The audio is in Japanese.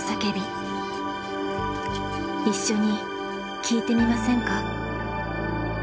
一緒に聞いてみませんか。